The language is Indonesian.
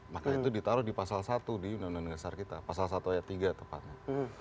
maka itu ditaruh di pasal satu di undang undang dasar kita pasal satu ayat tiga tepatnya